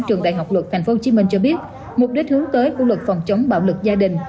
trường đại học luật tp hcm cho biết mục đích hướng tới của luật phòng chống bạo lực gia đình